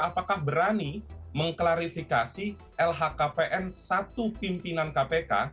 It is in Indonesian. apakah berani mengklarifikasi lhkpn satu pimpinan kpk